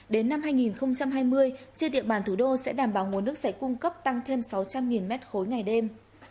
đến năm hai nghìn hai mươi trên địa bàn thủ đô sẽ đảm bảo nguồn nước sạch cung cấp tăng thêm sáu trăm linh m ba ngày đêm